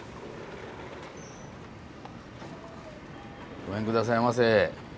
ごめん下さいませ。